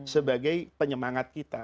sebagai penyemangat kita